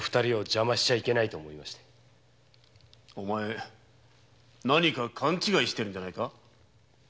お前何か勘違いしていないか？